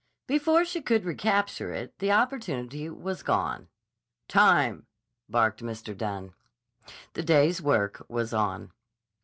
Before she could recapture it, the opportunity was gone. "Time!" barked Mr. Dunne. The day's work was on.